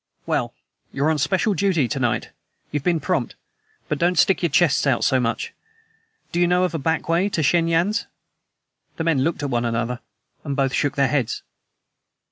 "Well, you're on special duty to night. You've been prompt, but don't stick your chests out so much. Do you know of a back way to Shen Yan's?" The men looked at one another, and both shook their heads.